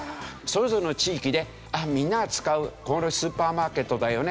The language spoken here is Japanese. それぞれの地域でみんなが使うスーパーマーケットだよねとかね